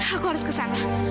aku harus ke sana